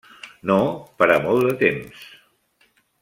No per a molt de temps.